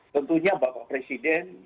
tentunya bapak presiden